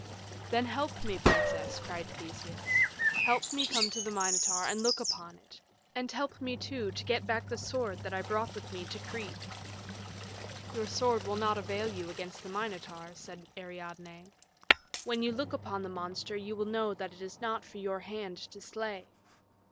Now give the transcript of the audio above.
"Then help me, princess," cried Theseus; "help me to come to the Minotaur and look upon it, and help me, too, to get back the sword that I brought with me to Crete." "Your sword will not avail you against the Minotaur," said Ariadne; "when you look upon the monster you will know that it is not for your hand to slay."